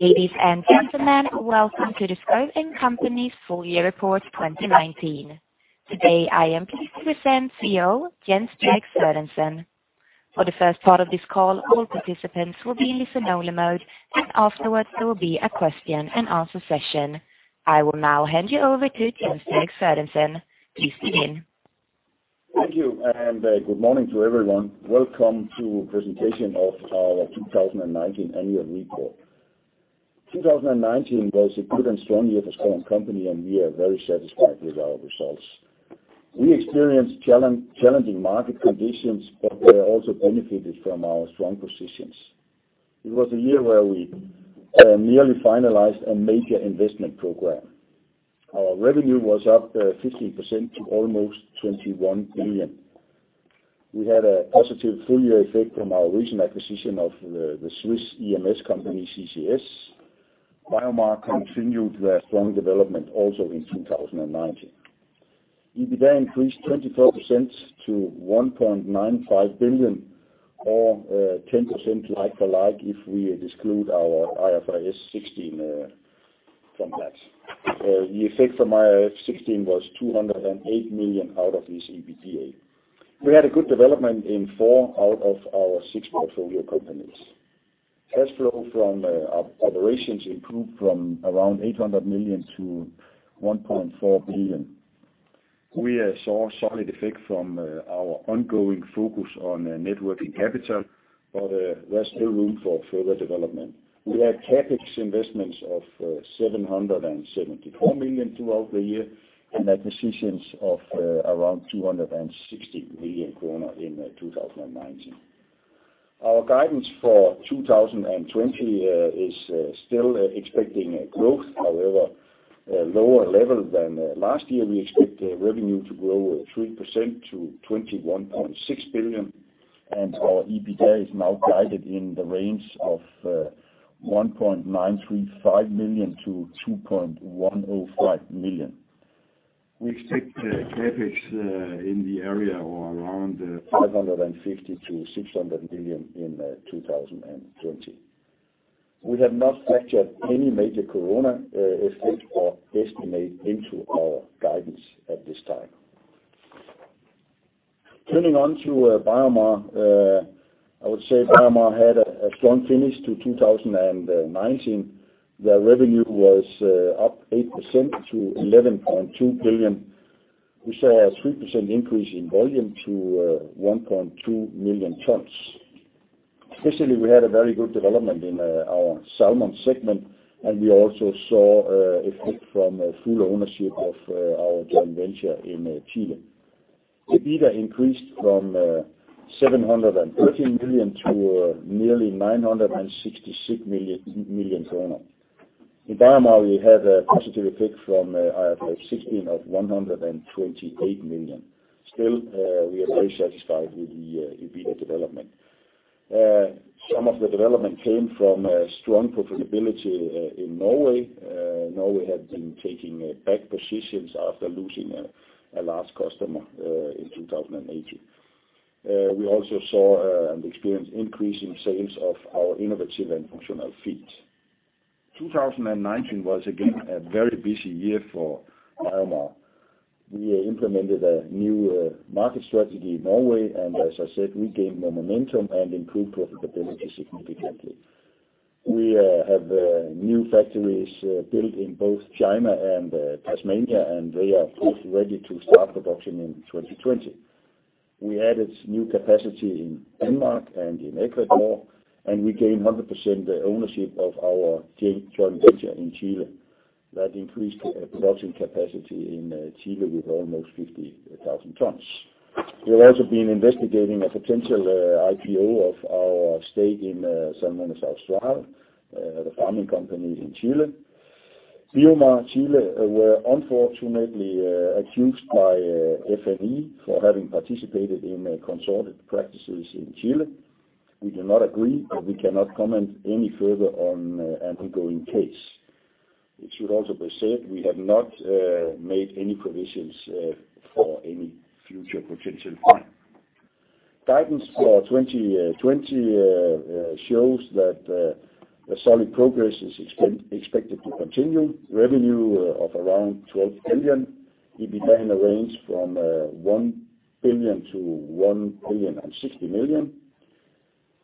Ladies and gentlemen, welcome to the Schouw & Company's full year report 2019. Today, I am pleased to present CEO, Jens Bjerg Sørensen. For the first part of this call, all participants will be in listen only mode, and afterwards there will be a question and answer session. I will now hand you over to Jens Bjerg Sørensen. Please begin. Thank you, and good morning to everyone. Welcome to presentation of our 2019 annual report. 2019 was a good and strong year for Schouw & Company, and we are very satisfied with our results. We experienced challenging market conditions, but we are also benefited from our strong positions. It was a year where we nearly finalized a major investment program. Our revenue was up 15% to almost 21 billion. We had a positive full year effect from our recent acquisition of the Swiss EMS company, CCS. BioMar continued their strong development also in 2019. EBITDA increased 24% to 1.95 billion or 10% like for like if we exclude our IFRS 16 from that. The effect from IFRS 16 was 208 million out of this EBITDA. We had a good development in four out of our six portfolio companies. Cash flow from our operations improved from around 800 million-1.4 billion. We saw solid effect from our ongoing focus on net working capital, there's still room for further development. We had CapEx investments of 774 million throughout the year and acquisitions of around 260 million kroner in 2019. Our guidance for 2020 is still expecting a growth, however, a lower level than last year. We expect the revenue to grow 3% to 21.6 billion, our EBITDA is now guided in the range of 1,935 million-2,105 million. We expect the CapEx in the area or around 550 million-600 million in 2020. We have not factored any major corona effect or estimate into our guidance at this time. Turning on to BioMar. I would say BioMar had a strong finish to 2019. Their revenue was up 8% to 11.2 billion. We saw a 3% increase in volume to 1.2 million tons. Especially, we had a very good development in our salmon segment, and we also saw effect from full ownership of our joint venture in Chile. EBITDA increased from 713 million to nearly 966 million kroner. In BioMar, we had a positive effect from IFRS 16 of 128 million. Still, we are very satisfied with the EBITDA development. Some of the development came from strong profitability in Norway. Norway had been taking back positions after losing a large customer in 2018. We also saw and experienced increase in sales of our innovative and functional feeds. 2019 was again a very busy year for BioMar. We implemented a new market strategy in Norway. As I said, we gained more momentum and improved profitability significantly. We have new factories built in both China and Tasmania, and they are both ready to start production in 2020. We added new capacity in Denmark and in Ecuador, and we gained 100% ownership of our joint venture in Chile. That increased production capacity in Chile with almost 50,000 tons. We have also been investigating a potential IPO of our stake in Salmones Austral, the farming company in Chile. BioMar Chile were unfortunately accused by FNE for having participated in collusive practices in Chile. We do not agree, but we cannot comment any further on an ongoing case. It should also be said we have not made any provisions for any future potential fine. Guidance for 2020 shows that a solid progress is expected to continue. Revenue of around 12 billion, EBITDA in the range from 1 billion-1.06 billion.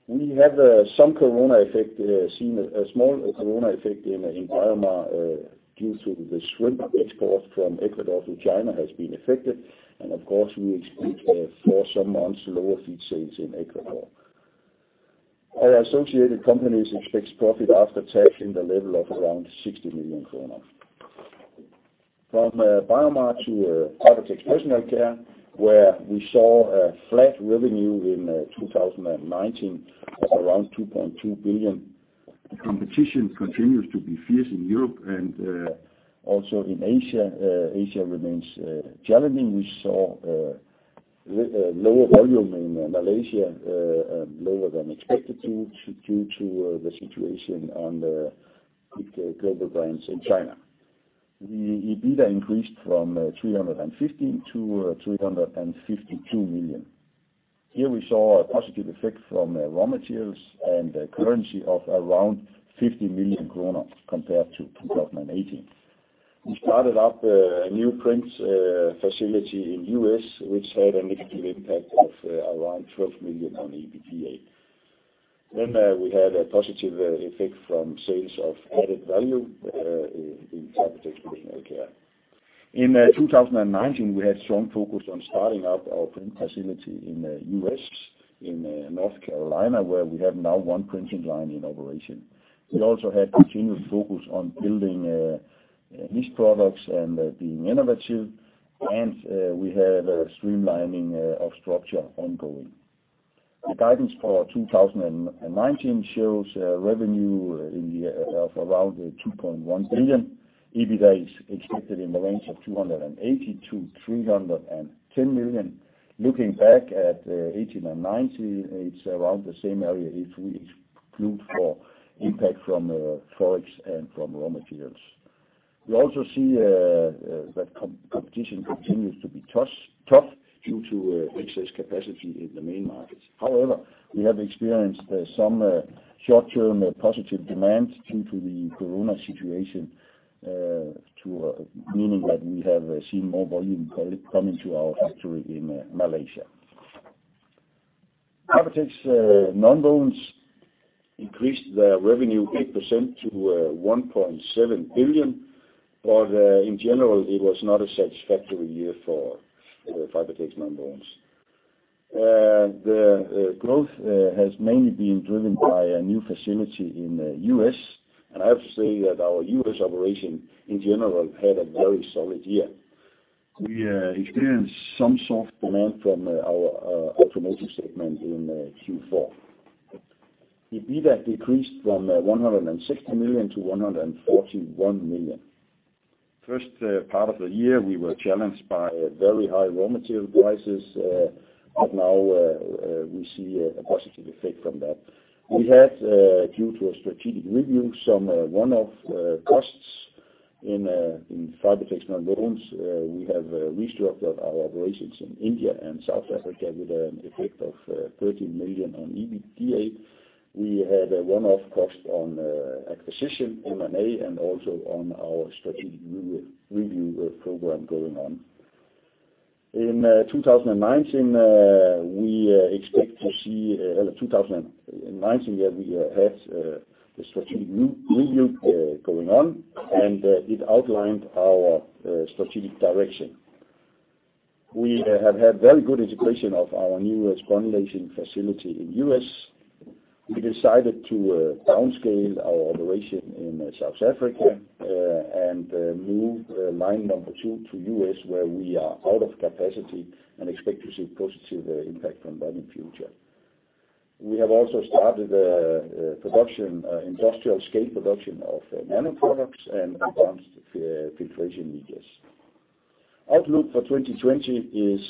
We have some corona effect, seen a small corona effect in BioMar due to the shrimp export from Ecuador to China has been affected, and of course, we expect for some months lower feed sales in Ecuador. Our associated companies expects profit after tax in the level of around 60 million kroner. From BioMar to Fibertex Personal Care, where we saw a flat revenue in 2019 of around 2.2 billion. Competition continues to be fierce in Europe and also in Asia. Asia remains challenging. We saw lower volume in Malaysia, lower than expected due to the situation on the big global brands in China. The EBITDA increased from 350 million DKK-352 million DKK. Here we saw a positive effect from raw materials and currency of around 50 million kroner compared to 2018. We started up a new print facility in the U.S., which had a negative impact of around 12 million on the EBITDA. We had a positive effect from sales of added value in Fibertex Personal Care. In 2019, we had strong focus on starting up our print facility in the U.S. in North Carolina, where we have now one printing line in operation. We also had continuous focus on building niche products and being innovative, and we had a streamlining of structure ongoing. The guidance for 2019 shows revenue of around 2.1 billion. EBITDA is expected in the range of 280 million-310 million. Looking back at 2018 and 2019, it's around the same area if we exclude for impact from ForEx and from raw materials. We also see that competition continues to be tough due to excess capacity in the main markets. We have experienced some short-term positive demand due to the Corona situation, meaning that we have seen more volume coming to our factory in Malaysia. Fibertex Nonwovens increased their revenue 8% to 1.7 billion, in general, it was not a satisfactory year for Fibertex Nonwovens. The growth has mainly been driven by a new facility in the U.S., I have to say that our U.S. operation, in general, had a very solid year. We experienced some soft demand from our automotive segment in Q4. EBITDA decreased from 160 million-141 million. First part of the year, we were challenged by very high raw material prices. Now we see a positive effect from that. We had, due to a strategic review, some one-off costs in Fibertex Nonwovens. We have restructured our operations in India and South Africa with an effect of 13 million on EBITDA. We had a one-off cost on acquisition, M&A, and also on our strategic review program going on. In 2019 we had the strategic review going on, and it outlined our strategic direction. We have had very good integration of our new granulating facility in the U.S. We decided to downscale our operation in South Africa, and move line number two to U.S. where we are out of capacity and expect to see positive impact from that in future. We have also started industrial-scale production of nanoproducts and advanced filtration medias. Outlook for 2020 is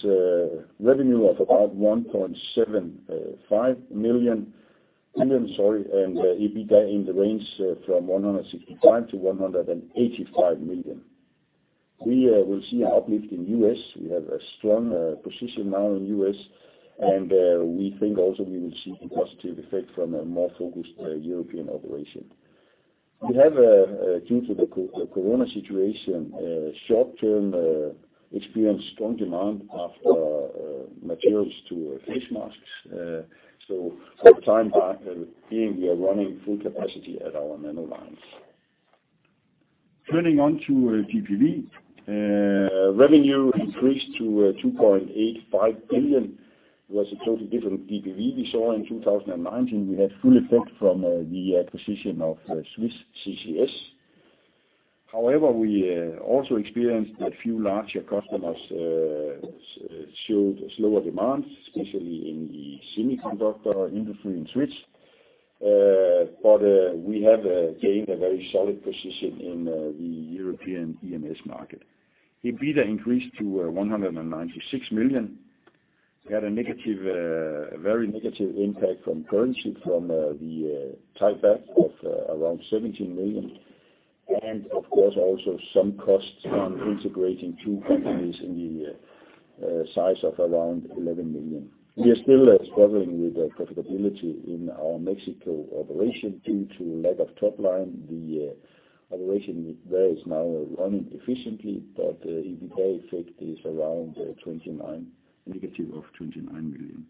revenue of about 1.75 billion and EBITDA in the range from 165 million-185 million. We will see an uplift in the U.S. We have a strong position now in the U.S., and we think also we will see a positive effect from a more focused European operation. We have, due to the corona situation, short-term experienced strong demand of materials to face masks. For the time being, we are running full capacity at our nano lines. Turning on to GPV. Revenue increased to 2.85 billion. It was a totally different GPV we saw in 2019. We had full effect from the acquisition of Swiss CCS. However, we also experienced that a few larger customers showed slower demands, especially in the semiconductor industry in Switzerland. We have gained a very solid position in the European EMS market. EBITDA increased to 196 million. We had a very negative impact from currency from the THB of around 17 million, and of course also some costs on integrating two companies in the size of around 11 million. We are still struggling with profitability in our Mexico operation due to lack of top line. The operation there is now running efficiently, EBITDA effect is around negative of 29 million.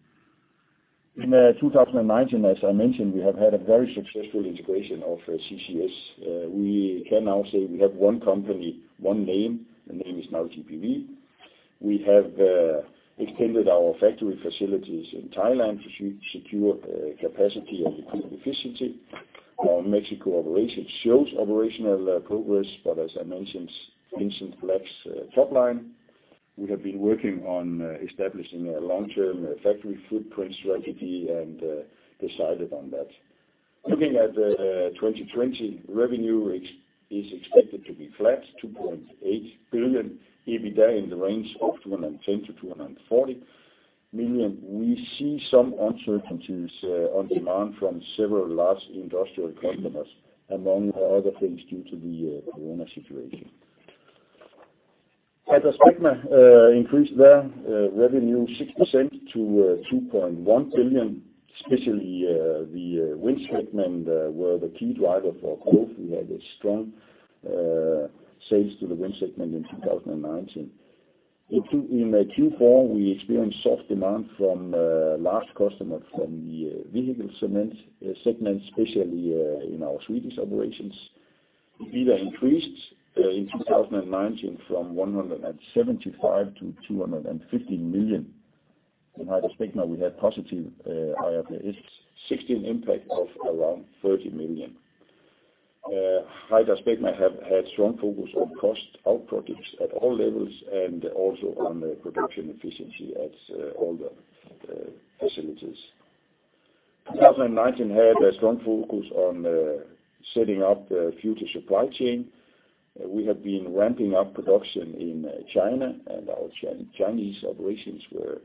In 2019, as I mentioned, we have had a very successful integration of CCS. We can now say we have one company, one name. The name is now GPV. We have extended our factory facilities in Thailand to secure capacity and equipment efficiency. Our Mexico operation shows operational progress, but as I mentioned, lacks top line. We have been working on establishing a long-term factory footprint strategy and decided on that. Looking at 2020, revenue is expected to be flat, 2.8 billion. EBITDA in the range of 210 million-240 million. We see some uncertainties on demand from several large industrial customers, among other things, due to the Corona situation. HydraSpecma increased their revenue 6% to 2.1 billion, especially the wind segment were the key driver for growth. We had a strong sales to the wind segment in 2019. In Q4, we experienced soft demand from a large customer from the vehicle segment, especially in our Swedish operations. EBITDA increased in 2019 from 175 million-250 million. In HydraSpecma, we had positive IFRS 16 impact of around 30 million. HydraSpecma have had strong focus on cost-out projects at all levels and also on the production efficiency at all the facilities. 2019 had a strong focus on setting up the future supply chain. We have been ramping up production in China. Our Chinese operations were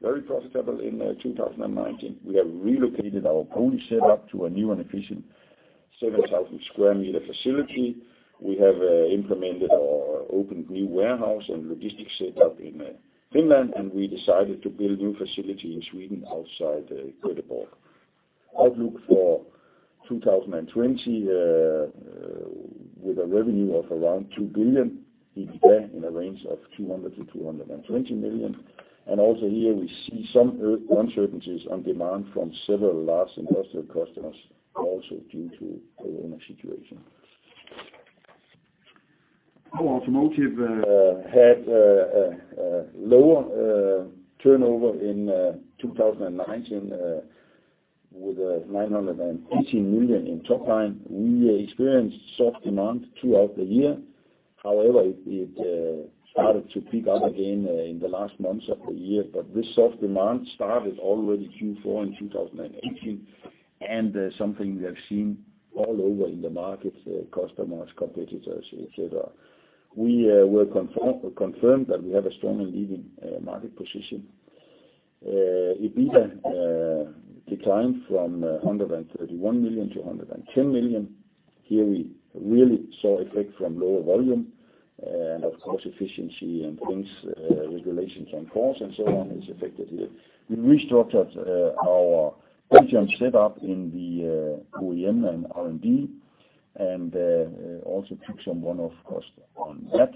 very profitable in 2019. We have relocated our Polish setup to a new and efficient 7,000 sq m facility. We have implemented our open new warehouse and logistics setup in Finland. We decided to build new facility in Sweden outside Göteborg. Outlook for 2020, with a revenue of around 2 billion, EBITDA in a range of 200 million-220 million. Also here we see some uncertainties on demand from several large industrial customers also due to the corona situation. Borg Automotive had a lower turnover in 2019 with 918 million in top line. We experienced soft demand throughout the year. However, it started to pick up again in the last months of the year. This soft demand started already Q4 in 2018 and something we have seen all over in the markets, customers, competitors, et cetera. We were confirmed that we have a strong and leading market position. EBITDA declined from 131 million-110 million. Here, we really saw effect from lower volume and of course, efficiency and things regulation can cause and so on has affected it. We restructured our engineering setup in the OEM and R&D and also took some one-off cost on that.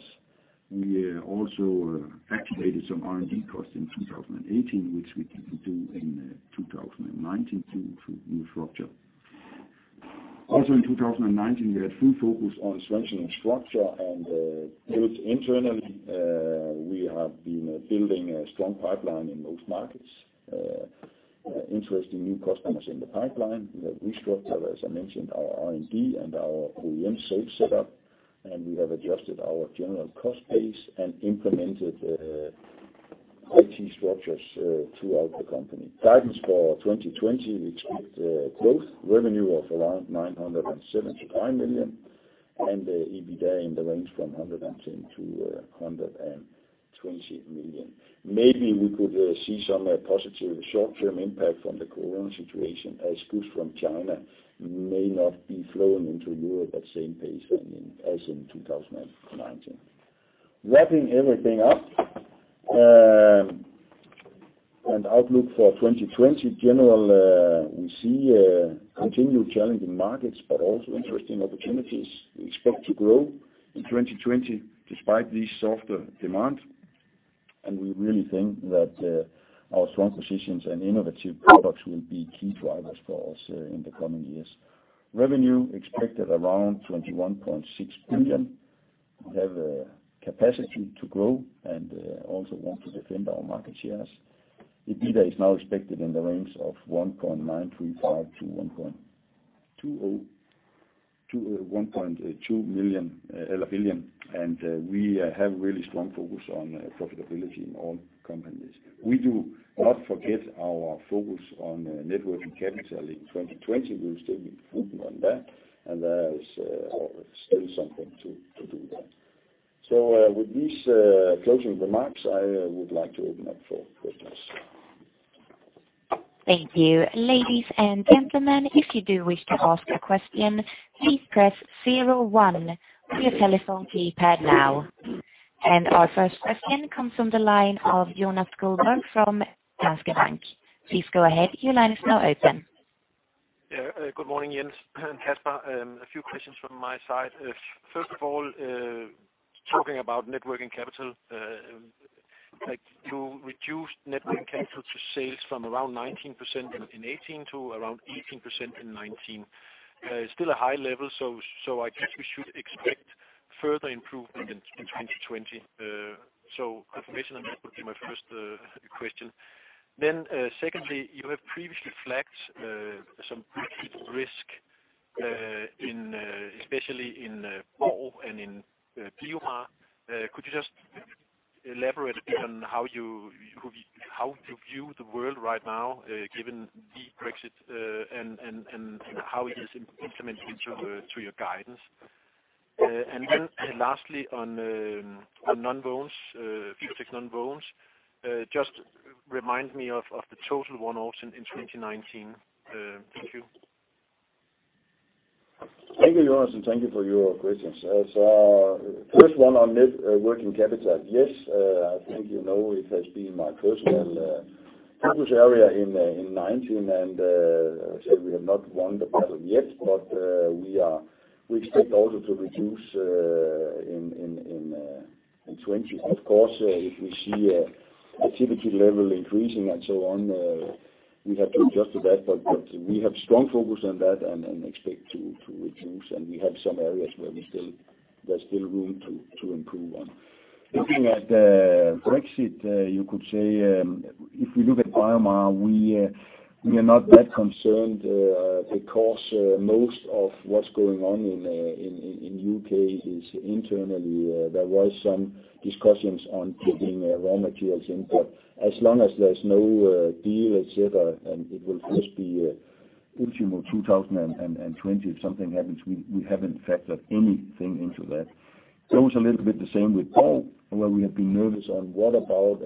Also, we activated some R&D costs in 2018, which we didn't do in 2019 due to restructuring. Also, in 2019, we had full focus on strengthening structure and growth internally. We have been building a strong pipeline in most markets, interesting new customers in the pipeline. We have restructured, as I mentioned, our R&D and our OEM sales setup, and we have adjusted our general cost base and implemented IT structures throughout the company. Guidance for 2020, we expect growth revenue of around 975 million and EBITDA in the range from 110 million-120 million. Maybe we could see some positive short-term impact from the corona situation as goods from China may not be flowing into Europe at the same pace as in 2019. Wrapping everything up and outlook for 2020, general, we see continued challenging markets, but also interesting opportunities. We expect to grow in 2020 despite this softer demand, and we really think that our strong positions and innovative products will be key drivers for us in the coming years. Revenue expected around 21.6 billion. We have a capacity to grow and also want to defend our market shares. EBITDA is now expected in the range of 1.935 billion-1.2 billion, and we have really strong focus on profitability in all companies. We do not forget our focus on net working capital in 2020. We will still be improving on that, and there is still something to do there. With these closing remarks, I would like to open up for questions. Thank you. Ladies and gentlemen, if you do wish to ask a question, please press 01 on your telephone keypad now. Our first question comes from the line of Jonas Sjöberg from Danske Bank. Please go ahead. Your line is now open. Good morning, Jens and Kasper. A few questions from my side. Talking about net working capital, you reduced net working capital to sales from around 19% in 2018 to around 18% in 2019. Still a high level, I guess we should expect further improvement in 2020. Confirmation on that would be my first question. Secondly, you have previously flagged some Brexit risk, especially in Borg Automotive and in BioMar. Could you just elaborate a bit on how you view the world right now, given the Brexit, and how it is implemented into your guidance? Lastly, on Fibertex Nonwovens, just remind me of the total one-offs in 2019. Thank you. Thank you, Jonas, thank you for your questions. First one on net working capital. Yes, I think you know, it has been my personal focus area in 2019, as I said, we have not won the battle yet, we expect also to reduce in 2020. Of course, if we see activity level increasing and so on, we have to adjust to that. We have strong focus on that and expect to reduce. We have some areas where there's still room to improve on. Looking at Brexit, you could say, if we look at BioMar, we are not that concerned because most of what's going on in the U.K. is internal. There were some discussions on keeping raw materials in, as long as there's no deal, et cetera, it will first be ultimo 2020 if something happens, we haven't factored anything into that. It's a little bit the same with Paul, where we have been nervous on what about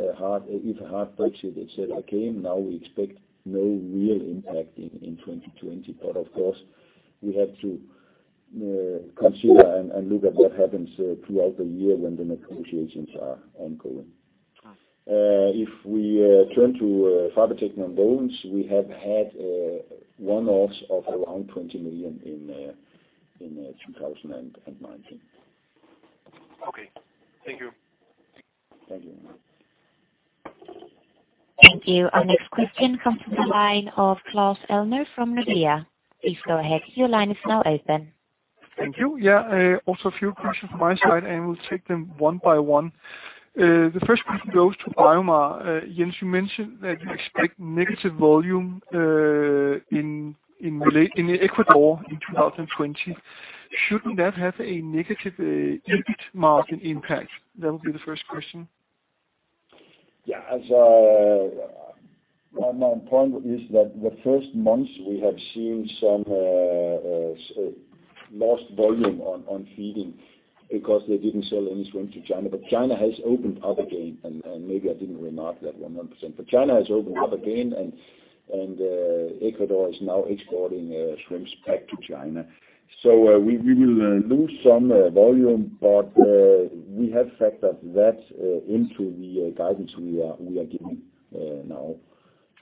if a hard Brexit, et cetera, came. Now we expect no real impact in 2020. Of course, we have to consider and look at what happens throughout the year when the negotiations are ongoing. If we turn to Phabatech and loans, we have had one-offs of around 20 million in 2019. Okay. Thank you. Thank you. Our next question comes from the line of Claus Almer from Nordea. Please go ahead. Your line is now open. Thank you. Yeah. Also a few questions my side, we'll take them one by one. The first question goes to BioMar. Jens, you mentioned that you expect negative volume in Ecuador in 2020. Shouldn't that have a negative EBIT margin impact? That would be the first question. Yeah. My main point is that the first months we have seen some lost volume on feeding because they didn't sell any shrimp to China. China has opened up again, and maybe I didn't remark that 100%. China has opened up again and Ecuador is now exporting shrimps back to China. We will lose some volume, but we have factored that into the guidance we are giving now.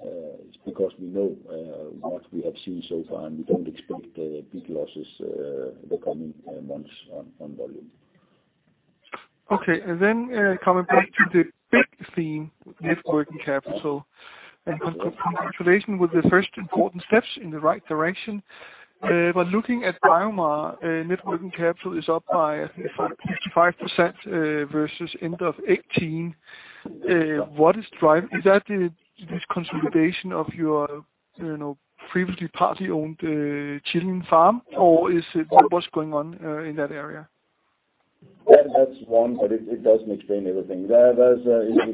It's because we know what we have seen so far, and we don't expect big losses the coming months on volume. Coming back to the big theme, net working capital and congratulations with the first important steps in the right direction. Looking at BioMar, net working capital is up by, I think, 55% versus end of 2018. Is that the disconsolidation of your previously partly owned Chilean farm, or what's going on in that area? That's one, but it doesn't explain everything. There's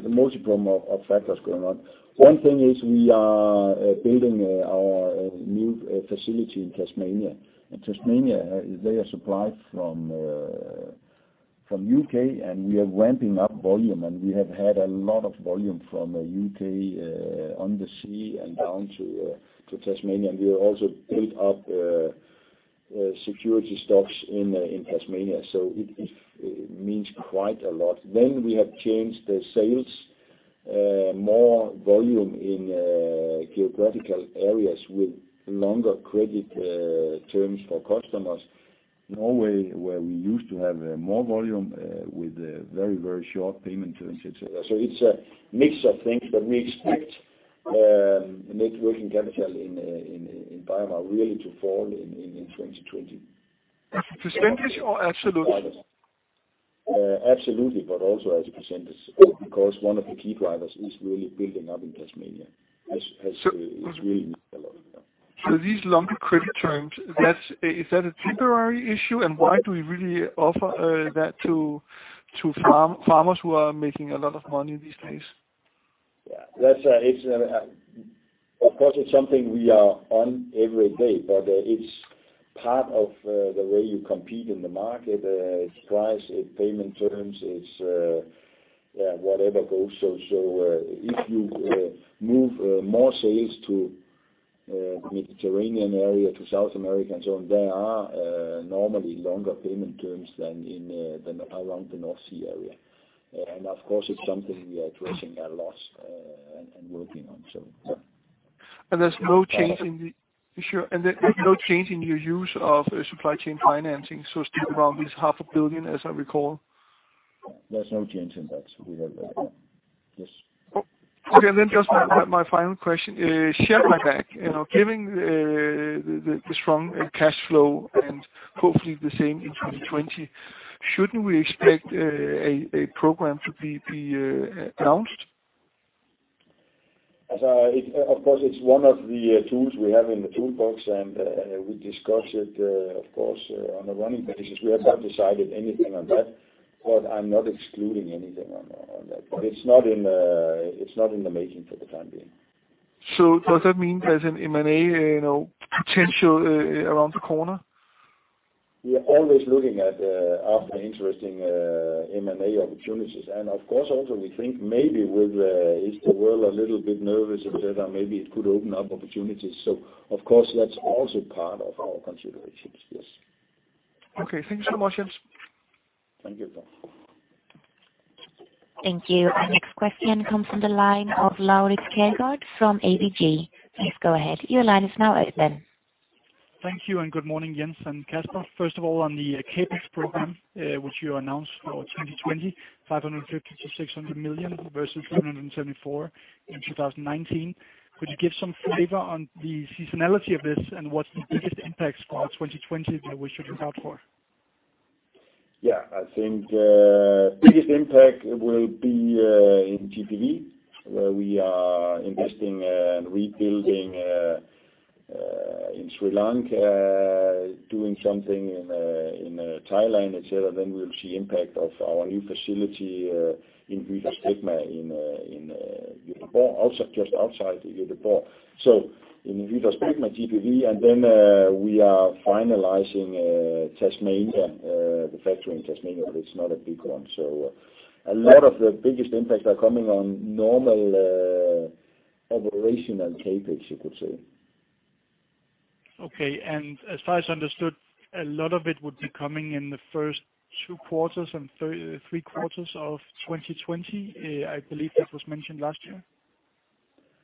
a multiple of factors going on. One thing is we are building our new facility in Tasmania. In Tasmania, they are supplied from the U.K., and we are ramping up volume, and we have had a lot of volume from the U.K. on the sea and down to Tasmania, and we have also built up security stocks in Tasmania, so it means quite a lot. We have changed the sales. More volume in geopolitical areas with longer credit terms for customers. Norway, where we used to have more volume with very short payment terms, et cetera. It's a mix of things, but we expect net working capital in BioMar really to fall in 2020. As a percentage or absolute? Absolutely, but also as a percentage, because one of the key drivers is really building up in Tasmania. It's really a lot of them. These longer credit terms, is that a temporary issue? Why do we really offer that to farmers who are making a lot of money these days? Yeah. Of course, it's something we are on every day, but it's part of the way you compete in the market. It's price, it's payment terms, it's whatever goes. If you move more sales to Mediterranean area, to South America, and so on, there are normally longer payment terms than around the North Sea area. Of course, it's something we are addressing a lot and working on. There's no change in your use of supply chain financing, so still around this DKK half a billion, as I recall? There's no change in that. We have that. Yes. Okay, just my final question. Share buyback. Given the strong cash flow and hopefully the same in 2020, shouldn't we expect a program to be announced? Of course, it's one of the tools we have in the toolbox, and we discuss it, of course, on a running basis. We have not decided anything on that, but I'm not excluding anything on that. It's not in the making for the time being. Does that mean there's an M&A potential around the corner? We are always looking at other interesting M&A opportunities. Of course, also we think maybe with, is the world a little bit nervous etc., maybe it could open up opportunities. Of course, that's also part of our considerations, yes. Okay, thanks so much, Jens. Thank you. Our next question comes from the line of Laurids Kjergaard from ABG. Please go ahead. Your line is now open. Thank you, good morning, Jens and Kasper. First of all, on the CapEx program, which you announced for 2020, 550 million-600 million versus 374 million in 2019. Could you give some flavor on the seasonality of this and what's the biggest impacts for 2020 that we should look out for? Yeah, I think, biggest impact will be in GPV, where we are investing and rebuilding in Sri Lanka, doing something in Thailand, et cetera. We'll see impact of our new facility in HydraSpecma in Göteborg, also just outside Göteborg. In HydraSpecma, GPV, and then we are finalizing Tasmania, the factory in Tasmania, but it's not a big one. A lot of the biggest impacts are coming on normal operational CapEx, you could say. Okay. As far as I understood, a lot of it would be coming in the first two quarters and three quarters of 2020. I believe that was mentioned last year.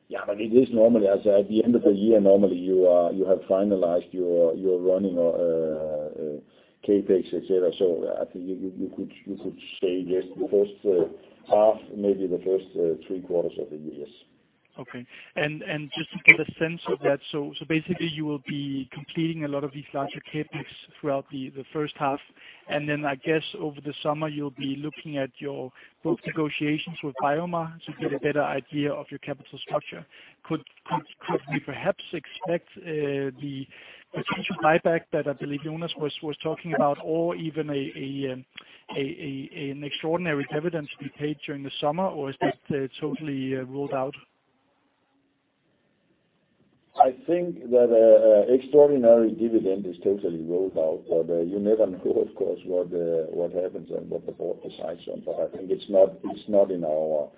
It is normally, as at the end of the year, normally you have finalized your running on CapEx, et cetera. I think you could say yes, the first half, maybe the first three quarters of the year, yes. Okay. Just to get a sense of that, basically you will be completing a lot of these larger CapEx throughout the first half, then I guess over the summer, you'll be looking at your negotiations with BioMar to get a better idea of your capital structure. Could we perhaps expect the potential buyback that I believe Jonas was talking about or even an extraordinary dividend to be paid during the summer? Is that totally ruled out? I think that extraordinary dividend is totally ruled out. You never know, of course, what happens and what the board decides on. I think it's not in our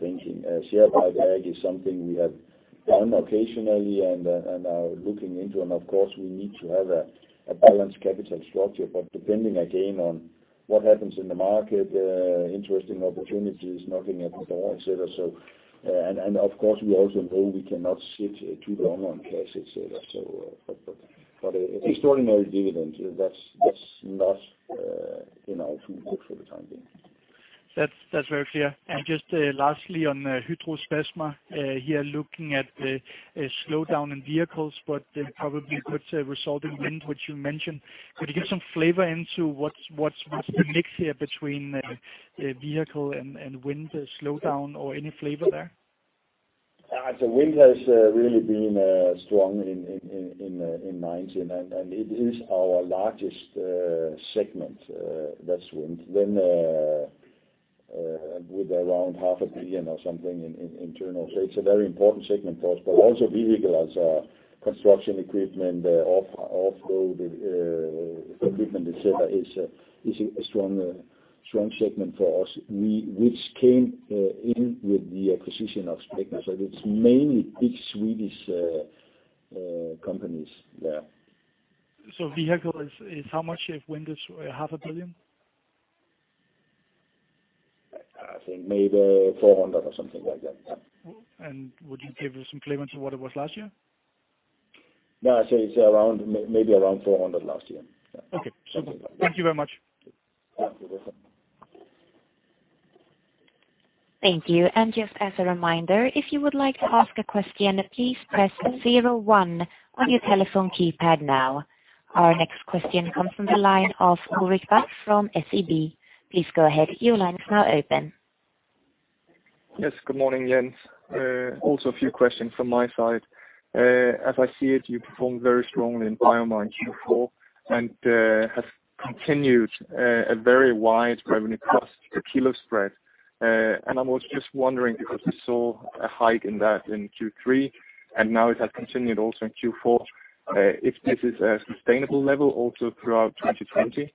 thinking. Share buyback is something we have done occasionally and are looking into, and of course, we need to have a balanced capital structure. Depending again on what happens in the market, interesting opportunities, nothing happens at all, et cetera. Of course, we also know we cannot sit too long on cash, et cetera. Extraordinary dividend, that's not in our toolkit for the time being. That's very clear. Just lastly, on HydraSpecma, here looking at a slowdown in vehicles, but probably could result in wind, which you mentioned. Could you give some flavor into what's the mix here between vehicle and wind slowdown or any flavor there? The wind has really been strong in 2019. It is our largest segment, that's wind. With around DKK half a billion or something in turn, I would say it's a very important segment for us. Also vehicle as a construction equipment, off-road equipment, et cetera, is a strong segment for us, which came in with the acquisition of Specma. It's mainly big Swedish companies there. Vehicle is how much if wind is DKK half a billion? I think maybe 400 or something like that, yeah. Would you give some flavor into what it was last year? No, I say it's maybe around 400 last year. Okay. Thank you very much. Thank you. Thank you. Just as a reminder, if you would like to ask a question, please press 01 on your telephone keypad now. Our next question comes from the line of Ulrich Bach from SEB. Please go ahead, your line is now open. Yes, good morning, Jens. Also, a few questions from my side. As I see it, you performed very strongly in BioMar in Q4 and have continued a very wide revenue cost per kilo spread. I was just wondering because we saw a hike in that in Q3, and now it has continued also in Q4, if this is a sustainable level also throughout 2020?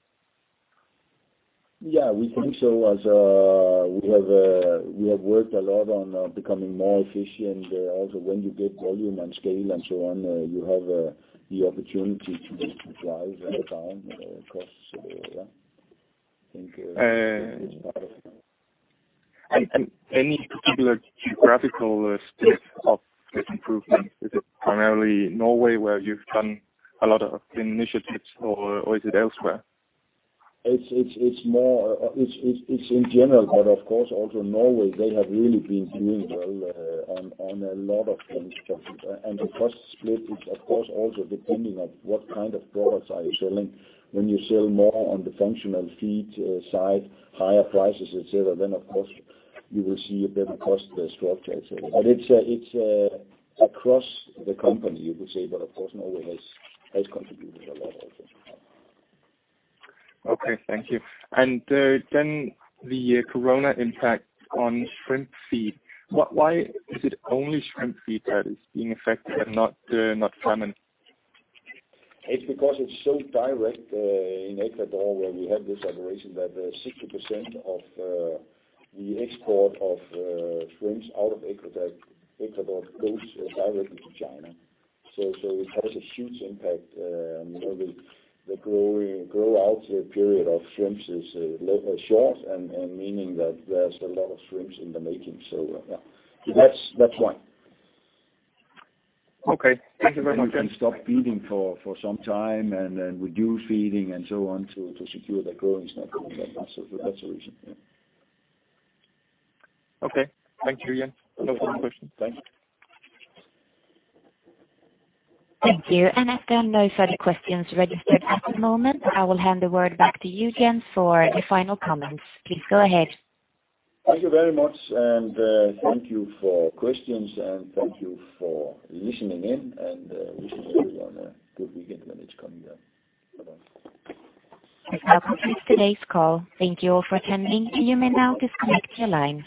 Yeah, we think so as we have worked a lot on becoming more efficient. When you get volume and scale and so on, you have the opportunity to just drive down costs. Yeah. I think that is part of it. Any particular geographical split of this improvement? Is it primarily Norway, where you've done a lot of initiatives, or is it elsewhere? It's in general, but of course, also Norway, they have really been doing well on a lot of things. The cost split is of course also depending on what kind of products are you selling. When you sell more on the functional feed side, higher prices, et cetera, then of course you will see a better cost structure, et cetera. It's across the company, you could say. Of course, Norway has contributed a lot also. Okay, thank you. The Corona impact on shrimp feed. Why is it only shrimp feed that is being affected and not salmon? It's because it's so direct in Ecuador, where we have this operation that 60% of the export of shrimps out of Ecuador goes directly to China. It has a huge impact. The grow-out period of shrimps is short and meaning that there's a lot of shrimps in the making, so yeah. That's why. Okay. Thank you very much. They can stop feeding for some time and then reduce feeding and so on to secure their growing stock. That's the reason, yeah. Okay. Thank you, Jens. That was my question. Thanks. Thank you. After those are the questions registered at the moment, I will hand the word back to you, Jens, for your final comments. Please go ahead. Thank you very much. Thank you for questions. Thank you for listening in. Wish you everyone a good weekend when it's coming. Bye-bye. This now completes today's call. Thank you all for attending, and you may now disconnect your line.